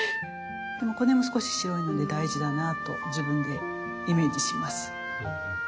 でこの辺も少し白いので大事だなと自分でイメージします。